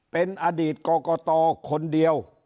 เป็นอดีตกรกตคนเดียว